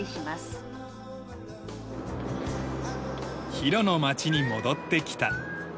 ヒロの町に戻ってきた。